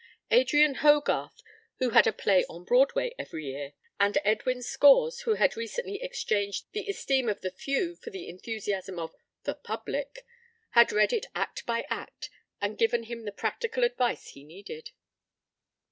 Adrian Hogarth, who had a play on Broadway every year, and Edwin Scores, who had recently exchanged the esteem of the few for the enthusiasm of The Public, had read it act by act and given him the practical advice he needed.